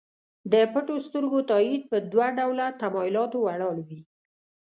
د پټو سترګو تایید په دوه ډوله تمایلاتو ولاړ وي.